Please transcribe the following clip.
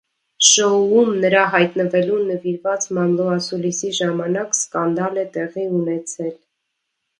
Շոուում նրա հայտնվելուն նվիրված մամլո ասուլիսի ժամանակ սկանդալ է տեղի ունեցել։